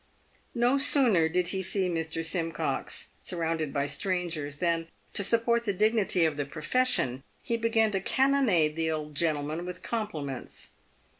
No sooner did he see Mr. Simcox surrounded by strangers, than, to support the dignity of the profession, he began to cannonade the old gentleman with compliments.